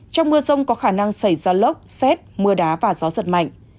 trong mưa rông có khả năng xảy ra lốc xét mưa đá và gió giật mạnh